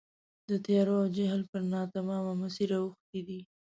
د تیارو او جهل پر ناتمامه مسیر اوښتي دي.